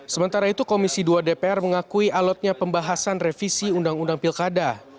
sementara itu komisi dua dpr mengakui alotnya pembahasan revisi undang undang pilkada